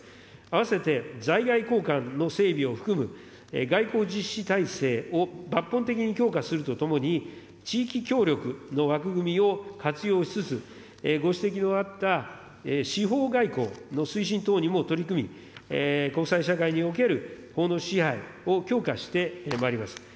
併せて在外公館の整備を含む、外交実施体制を抜本的に強化するとともに、地域協力の枠組みを活用しつつ、ご指摘のあった司法外交の推進等にも取り組み、国際社会における法の支配を強化してまいります。